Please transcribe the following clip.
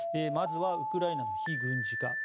まずはウクライナの非軍事化。